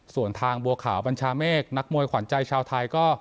ส่วนทางบัวขาวบัญชาเมฆนักมวยขวัญใจชาวไทยก็